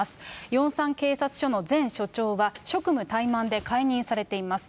ヨンサン警察署の前署長は、職務怠慢で解任されています。